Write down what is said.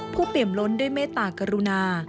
เปี่ยมล้นด้วยเมตตากรุณา